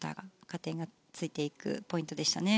加点がついていくポイントでしたね。